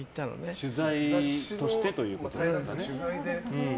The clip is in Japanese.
取材してということですね。